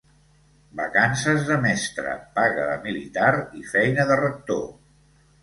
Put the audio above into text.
Vacances de mestre, paga de militar i feina de rector.